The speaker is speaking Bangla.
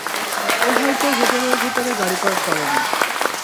ও হয়তো হোটেলের ভিতরে গাড়ি পার্ক করেনি।